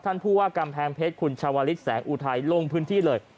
ผู้ว่ากำแพงเพชรคุณชาวลิศแสงอุทัยลงพื้นที่เลย